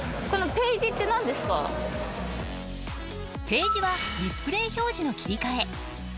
ページはディスプレイ表示の切り替え。